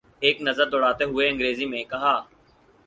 ایک نظر دوڑاتے ہوئے انگریزی میں کہا۔